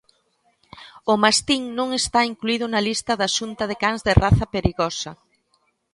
O mastín non está incluído na lista da Xunta de cans de raza perigosa.